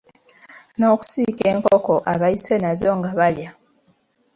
N’okusiika enkoko abayise nazo nga balya.